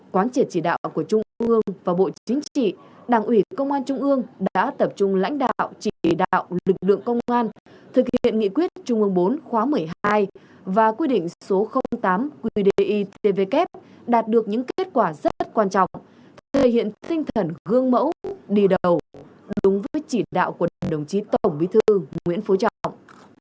quán triệt chỉ đạo của trung ương và bộ chính trị đảng ủy công an trung ương đã tập trung lãnh đạo chỉ đạo lực lượng công an thực hiện nghị quyết trung ương bốn khóa một mươi hai và quy định số tám qdi tvk đạt được những kết quả rất quan trọng thể hiện tinh thần gương mẫu đi đầu đúng với chỉ đạo của đồng chí tổng bí thư nguyễn phú trọng